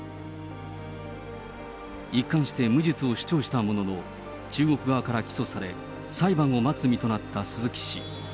一貫して無実を主張したものの、中国側から起訴され、裁判を待つ身となった鈴木氏。